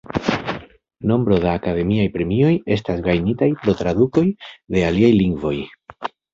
Nombro da akademiaj premioj estas gajnitaj pro tradukoj de aliaj lingvoj.